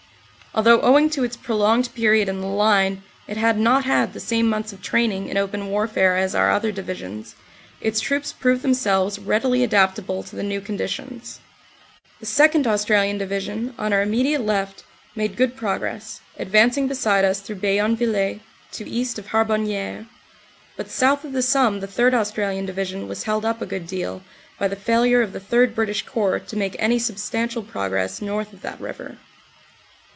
Although, owing to its prolonged period in the line, it had not had the same months of training in open warfare as our other Divi sions, its troops proved themselves readily adaptable to the new conditions. The 2nd. Australian Division, on our immediate left, made good progress, advancing beside us through Bayonneviller to east of Harbonnieres, but south of the Somme the 3rd. Australian Division was held up a good deal by the failure of the III British Corps to make any substantial progress north of that river.